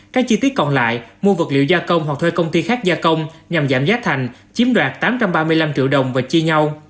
các chi tiết còn lại mua vật liệu gia công hoặc thuê công ty khác gia công nhằm giảm giá thành chiếm đoạt tám trăm ba mươi năm triệu đồng và chia nhau